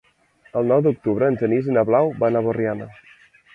El nou d'octubre en Genís i na Blau van a Borriana.